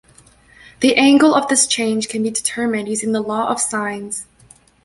The angle of this change can be determined using the law of sines.